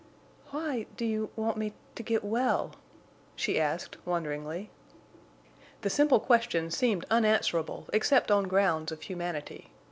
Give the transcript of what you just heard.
"Why—do you—want me—to get well?" she asked, wonderingly. The simple question seemed unanswerable except on grounds of humanity.